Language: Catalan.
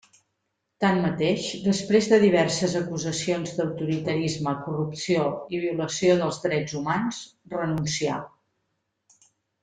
Tanmateix, després de diverses acusacions d'autoritarisme, corrupció i violació dels drets humans, renuncià.